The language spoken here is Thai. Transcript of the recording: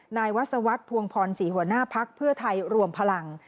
นายวัศวรรษภวงพรศรีหัวหน้าภักดิ์เพื่อไทยรวมพลัง